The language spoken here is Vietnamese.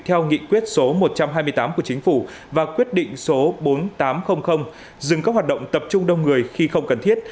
theo nghị quyết số một trăm hai mươi tám của chính phủ và quyết định số bốn nghìn tám trăm linh dừng các hoạt động tập trung đông người khi không cần thiết